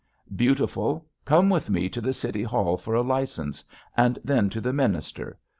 Beautiful, come with me to the City Hall for a license, and then to the minister.